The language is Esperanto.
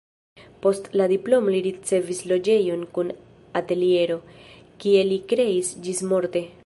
Post la diplomo li ricevis loĝejon kun ateliero, kie li kreis ĝismorte.